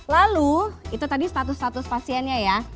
lalu itu tadi status status pasiennya ya